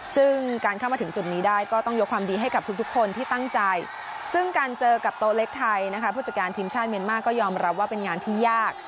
ซึ่งการเข้ามาถึงจุดนี้ได้ก็ต้องยกความดีให้กับทุกคนที่ตั้งใจซึ่งการเจอกับโต๊ะเล็กไทยนะคะผู้จัดการทีมชาติเมียนมาร์ก็ยอมรับว่าเป็นงานที่ยาก